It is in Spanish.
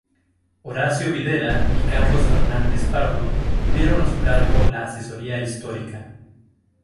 Horacio Videla y Carlos Fernández Pardo tuvieron a su cargo la asesoría histórica.